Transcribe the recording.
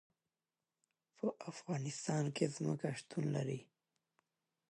په افغانستان کې ځمکه شتون لري.